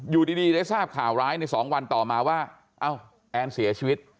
อยู่ดีได้ทราบข่าวร้ายใน๒วันต่อมาว่าเอ้าแอนเสียชีวิต